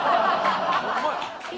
ホンマや。